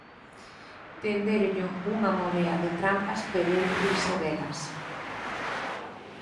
Tendéronlle unha morea de trampas, pero el riuse delas.